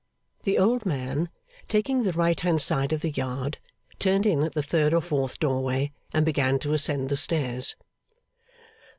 The old man, taking the right hand side of the yard, turned in at the third or fourth doorway, and began to ascend the stairs.